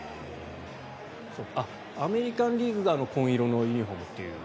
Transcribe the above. アメリカン・リーグがあの紺色のユニホームと。